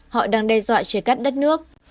họ đang đe dọa chế cắt đất nước